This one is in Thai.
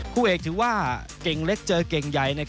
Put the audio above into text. คู่เอกถือว่าเก่งเล็กเจอเก่งใหญ่